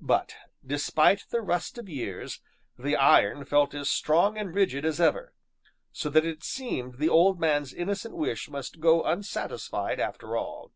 But, despite the rust of years, the iron felt as strong and rigid as ever, so that it seemed the old man's innocent wish must go unsatisfied after all.